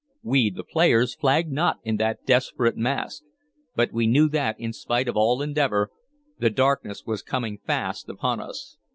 We, the players, flagged not in that desperate masque; but we knew that, in spite of all endeavor, the darkness was coming fast upon us.